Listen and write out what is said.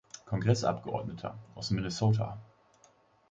Kongressabgeordneter aus Minnesota.